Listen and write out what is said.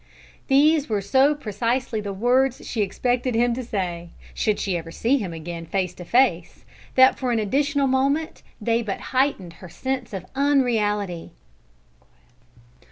These were so precisely the words she expected him to say, should she ever see him again face to face, that for an additional moment they but heightened her sense of unreality.